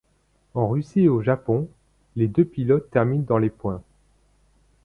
En Russie et au Japon, les deux pilotes terminent dans les points.